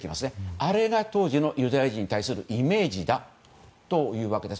あれが当時のユダヤ人に対するイメージだというわけです。